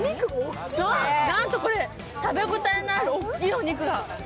なんとこれ、食べ応えのある大きいお肉が。